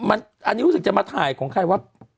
อันนี้รู้สึกจะมาถ่ายของใครว่า